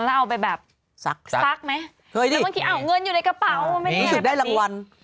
แล้วเอาไปแบบศักดิ์ศักดิ์ไหมเห้วเงินอยู่ในกระเป๋าไม่ไม่เห็น